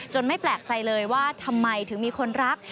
ไม่แปลกใจเลยว่าทำไมถึงมีคนรัก